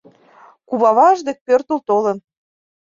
Куваваж дек пӧртыл толын.